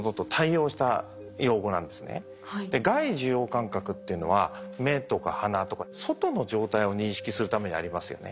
外受容感覚っていうのは目とか鼻とか外の状態を認識するためにありますよね。